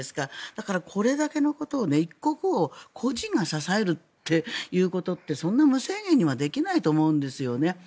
だから、これだけのことを一国を個人が支えるということってそんな無制限にはできないと思うんですよね。